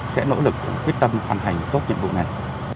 sẽ nỗ lực quyết tâm hoàn thành tốt nhiệm vụ này